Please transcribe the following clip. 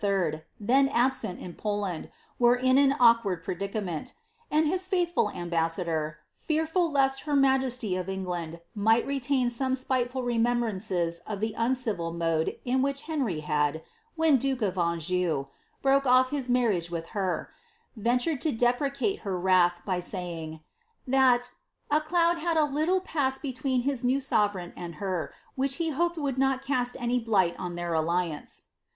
then ibaent in Poland, were in an awkward predicament; and his faithful imhasnador, fearful lest her majesty of England might retain some spite fol reminiscences of the uncivil mode in which Henrv had, when (hike m of Anjou, broken off his marriage with her, ventured to deprecate her vnih, by saying, that ^^a cloud had a little passed between hi? new wvereign and her, which he hoped would not cast any blight on their alliance.